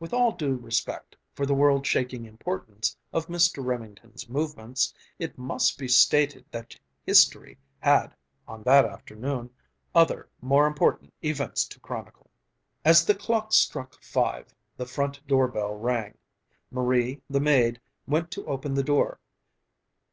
With all due respect for the world shaking importance of Mr. Remington's movements, it must be stated that history had, on that afternoon, other more important events to chronicle. As the clock struck five, the front doorbell rang. Marie, the maid, went to open the door.